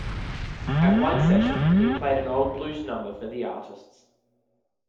At one session, he played an old blues number for the artists.